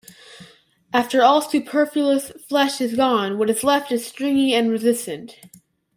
After all superfluous flesh is gone what is left is stringy and resistant.